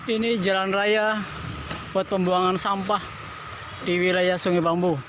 ini jalan raya buat pembuangan sampah di wilayah sungai bambu